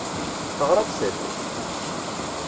Teɣramt-d?